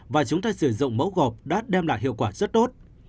và chúng ta sử dụng mẫu gọp đã đem lại hiệu quả rất tốt